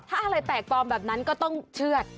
ถ้าอะไรแตกปลอมแบบนั้นก็ต้องเชื่อด